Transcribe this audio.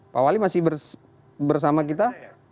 pak wali masih bersama kita